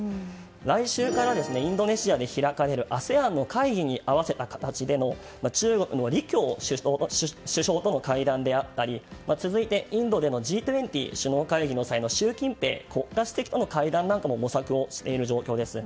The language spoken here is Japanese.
来週からインドネシアで開かれるＡＳＥＡＮの会議に合わせた形での中国の李強首相との会談であったり続いて、インドでのＧ２０首脳会議の際の習近平国家主席との会談も模索している状況です。